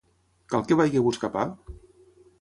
Cal que vagi a buscar pa?